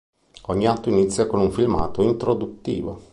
Ogni atto inizia con un filmato introduttivo.